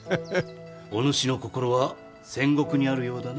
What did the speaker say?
お主の心は戦国にあるようだな。